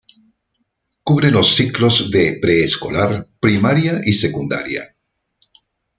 Cubre los ciclos de preescolar, primaria y secundaria.